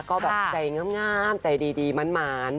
ก็แบบใจงามใจดีหมาน